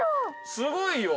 すごいよ。